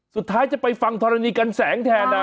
สุดท้ายจะไปฟังธรรมนีกันแสงแทนนะ